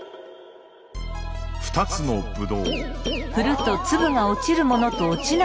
２つのブドウ。